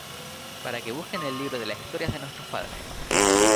Para que busque en el libro de las historias de nuestros padres;